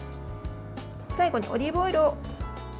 最後にオリーブオイルを。